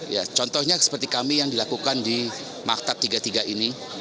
ya contohnya seperti kami yang dilakukan di maktab tiga puluh tiga ini